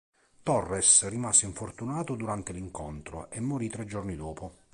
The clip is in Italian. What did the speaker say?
Torres rimase infortunato durante l'incontro e morì tre giorni dopo.